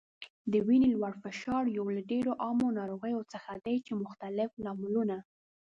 د وینې لوړ فشار یو له ډیرو عامو ناروغیو څخه دی چې مختلف لاملونه